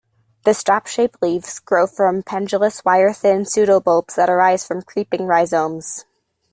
The strap-shaped leaves grow from pendulous wire-thin pseudobulbs that arise from creeping rhizomes.